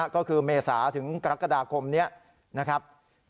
ก็คือเมษาถึงกรกฎาคมนี้นะครับ